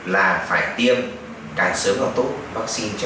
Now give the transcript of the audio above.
là phải tiêm covid một mươi chín